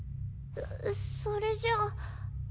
それじゃあ。